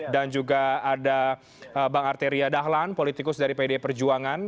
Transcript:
dan juga ada bang arteria dahlan politikus dari pdi perjuangan